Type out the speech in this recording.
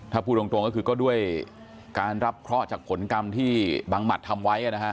ถ้าพูดตรงก็คือก็ด้วยการรับเคราะห์จากผลกรรมที่บังหมัดทำไว้นะฮะ